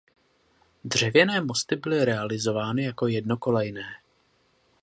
Dřevěné mosty byly realizovány jako jednokolejné.